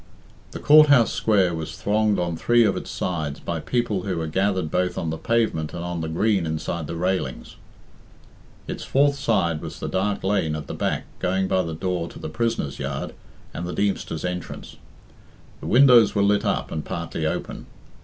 The Court house square was thronged on three of its sides by people who were gathered both on the pavement and on the green inside the railings. Its fourth side was the dark lane at the back going by the door to the prisoners' yard and the Deemster's entrance. The windows were lit up and partly open.